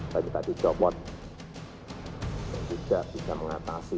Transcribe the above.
tadi tadi copot dan tidak bisa mengatasi